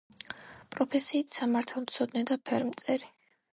პროფესიით სამართალმცოდნე და ფერმწერი.